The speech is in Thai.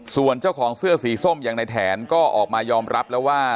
ส่วนเจ้าของเสื้อสีส้มอย่างในแถนก็ออกมายอมรับแล้วว่า